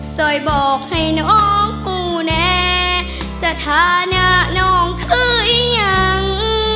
ซอยบอกให้น้องปูแน่สถานะน้องคือยัง